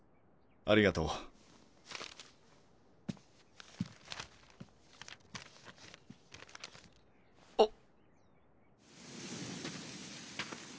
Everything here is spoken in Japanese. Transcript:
ありがとう。あっ。